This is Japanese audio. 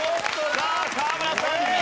さあ河村さん２位です。